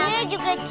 namanya juga c